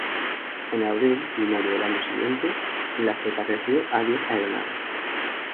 En abril y mayo del año siguiente, la flota creció a diez aeronaves.